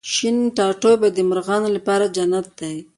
شین ټاټوبی د مرغانو لپاره جنت دی